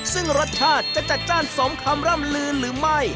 ซึ่งรสชาติจะจัดจ้านสมคำร่ำลือหรือไม่